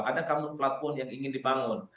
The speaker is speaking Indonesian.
ada kamuflat pun yang ingin dibangun